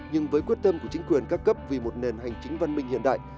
nhưng với quyết tâm của chính quyền các cấp vì một nền hành chính văn minh hiện đại